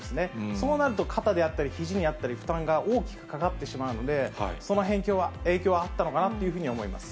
そうなると、肩であったり、ひじであったり、負担が大きくかかってしまうので、そのへん影響はあったのかなというふうに思います。